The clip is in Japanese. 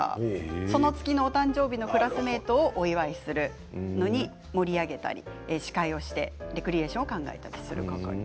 その月の誕生日のクラスメートをお祝いするのに盛り上げたり司会をしてレクリエーション考えたりする係。